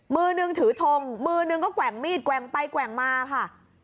มือนึงถือทงมือนึงก็แกว่งมีดแกว่งไปแกว่งมาค่ะ